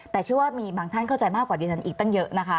แต่เชื่อว่ามีบางท่านเข้าใจมากกว่าเดี๋ยวจันอลอิกตั้งเยอะ